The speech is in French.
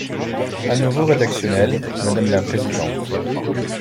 À nouveau rédactionnel, madame la présidente.